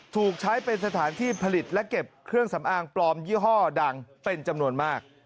ถูกใช้เป็นสถานที่ผลิตและเก็บเครื่องสำอางปลอมยี่ห้อดังเป็นจำนวนมาก